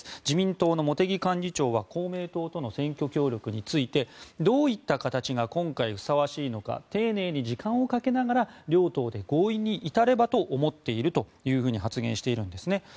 自民党の茂木幹事長は公明党との選挙協力についてどういった形が今回ふさわしいのか丁寧に時間をかけながら両党で合意に至ればと思っていると発言しているんですね。